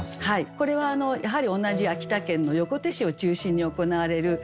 これはやはり同じ秋田県の横手市を中心に行われる行事なんですね。